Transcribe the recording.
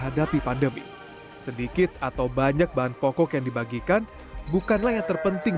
kegiatan berbagi sayur selasa ceria ini menjadi kegiatan yang sangat penting